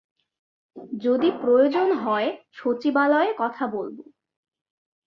যদি প্রয়োজন হয়, সচিবালয়ে কথা বলবো।